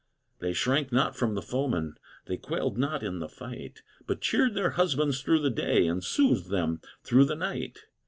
They shrank not from the foeman, They quailed not in the fight, But cheered their husbands through the day, And soothed them through the night.